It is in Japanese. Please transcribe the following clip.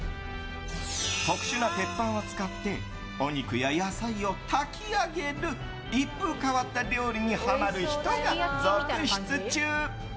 特殊な鉄板を使ってお肉や野菜を炊き上げる一風変わった料理にハマる人が続出中。